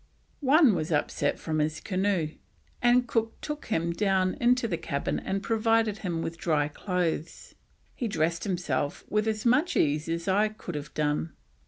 One was upset from his canoe, and Cook took him down into the cabin and provided him with dry clothes; "he dressed himself with as much ease as I could have done."